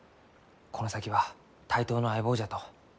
この先は対等の相棒じゃと。